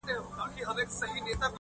o هر چيري چي زړه ځي، هلته پښې ځي.